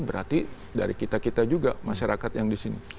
berarti dari kita kita juga masyarakat yang di sini